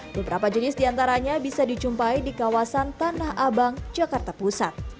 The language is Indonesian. beberapa jenis diantaranya bisa dijumpai di kawasan tanah abang jakarta pusat